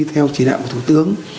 theo chỉ đạo của thủ tướng